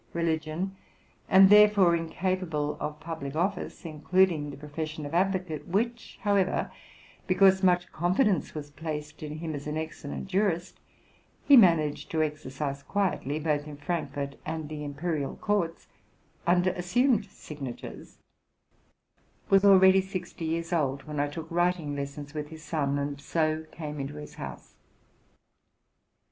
religion, and therefore incapable of public office, including the profession of advocate, which, however, because much con fidence was placed in him as an excellent jurist, he managed to exercise quietly, both in the Frankfort and the imperial courts, under assumed signatures, was already sixty years old when I took writing lessons with his son, and so came into his house.